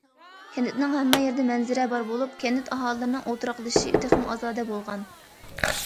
كەنتنىڭ ھەممە يېرىدە مەنزىرە بار بولۇپ، كەنت ئاھالىلىرىنىڭ ئولتۇراقلىشىشى تېخىمۇ ئازادە بولغان.